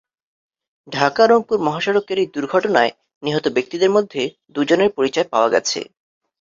ঢাকা রংপুর মহাসড়কের এই দুর্ঘটনায় নিহত ব্যক্তিদের মধ্যে দুজনের পরিচয় পাওয়া গেছে।